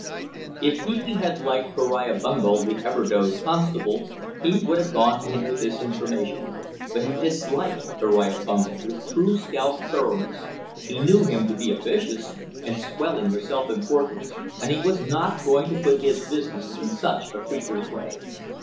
If Pee wee had liked Beriah Bungel, the Everdoze constable, he would have gone to him with this information. But he disliked Beriah Bungel with true scout thoroughness; he knew him to be officious, and swelling with self importance and he was not going to put business in such a creature's way.